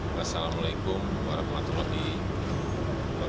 wassalamu'alaikum warahmatullahi wabarakatuh